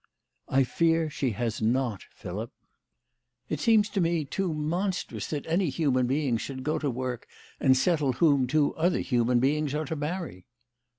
"I fear she has not, Philip." " It seems to me too monstrous that any human being should go to work and settle whom two other human beings are to marry."